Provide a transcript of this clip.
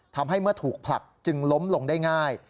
ทำให้เมื่อถูกผลักจึงล้มลงได้ง่าย